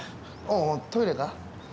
おお、トイレか？